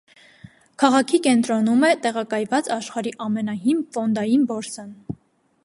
Քաղաքի կենտրոնում է տեղակայված աշխարհի ամենահին ֆոնդային բորսան։